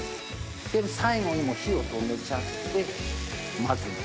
最後にもう火を止めちゃって混ぜます。